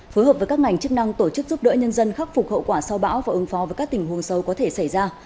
phối hợp với các ngành chức năng tổ chức giúp đỡ nhân dân khắc phục hậu quả sau bão và ứng phó với các tình huống sâu có thể xảy ra